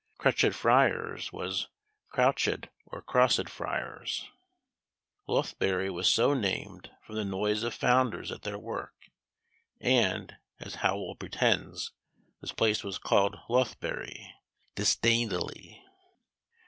Crutched friars was Crowched or Crossed friars. Lothbury was so named from the noise of founders at their work; and, as Howell pretends, this place was called Lothbury, "disdainedly."